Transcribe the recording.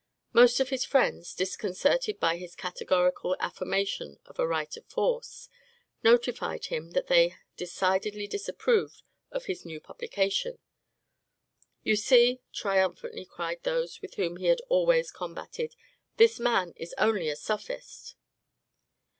Most of his friends, disconcerted by his categorical affirmation of a right of force, notified him that they decidedly disapproved of his new publication. "You see," triumphantly cried those whom he had always combated, "this man is only a sophist."